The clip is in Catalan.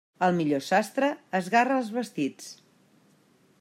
El millor sastre esgarra els vestits.